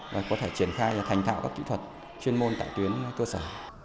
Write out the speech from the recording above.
và có thể triển khai thành thạo các kỹ thuật chuyên môn tại tuyến cơ sở